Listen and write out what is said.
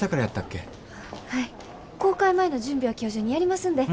公開前の準備は今日中にやりますんで。